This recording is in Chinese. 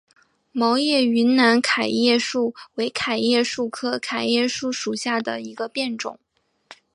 毛叶云南桤叶树为桤叶树科桤叶树属下的一个变种。